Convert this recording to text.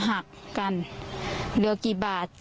ความปลอดภัยของนายอภิรักษ์และครอบครัวด้วยซ้ำ